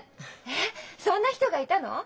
えっそんな人がいたの？